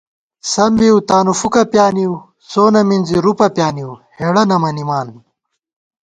سم بِؤ تانُو فُکہ پیانِؤ، سونہ مِنزِی رُپہ پیانِؤ ہېڑہ نہ مَنِمان